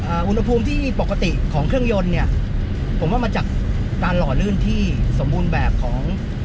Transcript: อุณหภูมิที่ปกติของเครื่องยนต์เนี่ยผมว่ามาจากการหล่อลื่นที่สมบูรณ์แบบของ